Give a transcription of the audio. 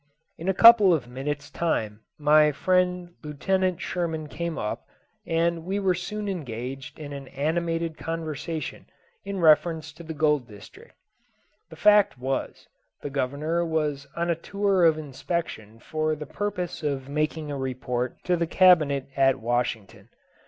In a couple of minutes' time my friend Lieutenant Sherman came up, and we were soon engaged in an animated conversation in reference to the gold district. The fact was, the Governor was on a tour of inspection for the purpose of making a report to the Cabinet at Washington.